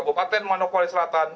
di kabupaten manokwari selatan